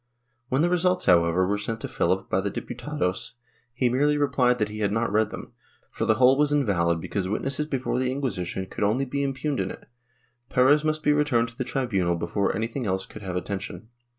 When the results, however, were sent to PhiHp by the Diputados, he merely replied that he had not read them, for the whole was invalid because witnesses before the Inquisition could only be impugned in it; Perez must be returned to the tribunal before anything else could have atten tion.